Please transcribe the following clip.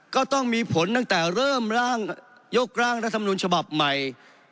ก็ต้องมีผลตั้งแต่เริ่มยกร่างรัฐมนุนฉบับใหม่